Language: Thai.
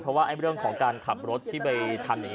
เพราะว่าเรื่องของการขับรถที่ไปทำอย่างนี้